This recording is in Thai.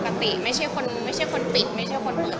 ก็ปกติค่ะปกติไม่ใช่คนปิดไม่ใช่คนเปลือก